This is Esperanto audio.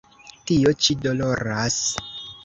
Tio ĉi doloras!